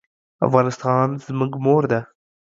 افغانستان زموږ مور ده